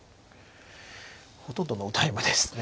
ほとんどノータイムですね。